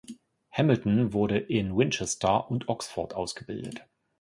Hamilton wurde in Winchester und Oxford ausgebildet.